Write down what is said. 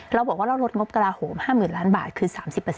เราบอกว่าเราลดงบกระลาโหม๕๐๐๐ล้านบาทคือ๓๐